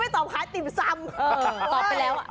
ตอบไปแล้ว